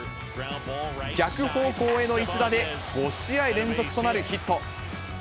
逆方向への一打で、５試合連続となるヒット。